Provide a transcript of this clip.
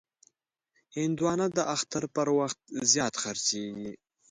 هندوانه د اختر پر وخت زیات خرڅېږي.